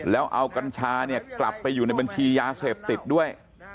แล้วเอากัญชาเนี่ยกลับไปอยู่ในบัญชียาเสพติดด้วย